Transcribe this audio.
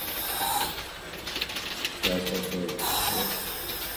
Finch ends up burying Dillinger in the park.